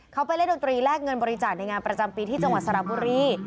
เขาไปเล่นดนตรีแลกเงินบริจาคในงานประจำปีที่จังหวัดสระบุรี